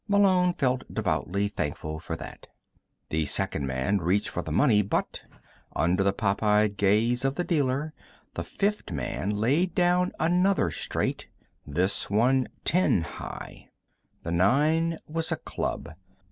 Malone felt devoutly thankful for that. The second man reached for the money but, under the popeyed gaze of the dealer, the fifth man laid down another straight this one ten high. The nine was a club.